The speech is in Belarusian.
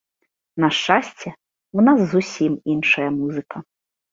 На шчасце, у нас зусім іншая музыка.